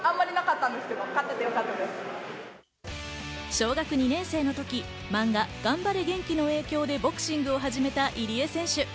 小学２年生のとき、漫画『がんばれ元気』の影響でボクシングを始めた入江選手。